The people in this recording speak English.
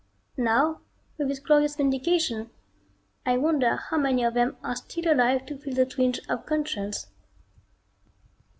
Now with this glorious vindication, I wonder how many of them are still alive to feel the twinge of conscience....